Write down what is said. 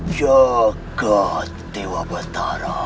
jaga dewa betara